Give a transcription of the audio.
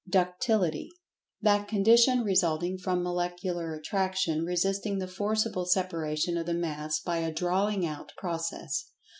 Ductility: That condition resulting from Molecular Attraction resisting the forcible separation of the Mass by a "drawing out" process.